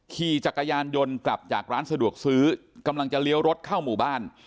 ขี่จักรยานยนต์กลับจากร้านสะดวกซื้อกำลังจะเลี้ยวรถเข้าหมู่บ้าน